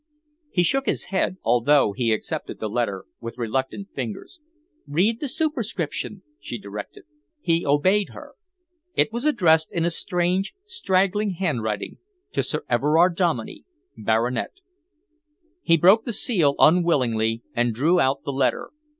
He shook his head, although he accepted the letter with reluctant fingers. "Read the superscription," she directed. He obeyed her. It was addressed in a strange, straggling handwriting to Sir Everard Dominey, Baronet. He broke the seal unwillingly and drew out the letter.